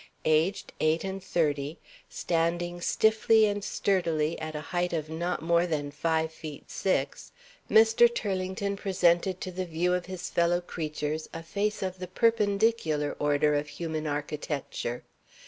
Aged eight and thirty; standing stiffly and sturdily at a height of not more than five feet six Mr. Turlington presented to the view of his fellow creatures a face of the perpendicular order of human architecture.